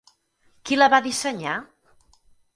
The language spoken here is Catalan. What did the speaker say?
Qui la va dissenyar?